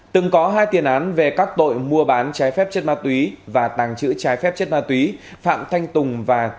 từng có hai tiền án về các tội mua bán trái phép chất ma túy và tàng trữ trái phép chất ma túy phạm thanh tùng và